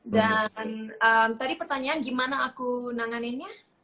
dan tadi pertanyaan gimana aku menangannya